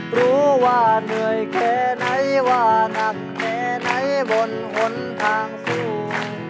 รู้ว่าเหนื่อยแค่ไหนว่านักแค่ไหนบนหนทางสู้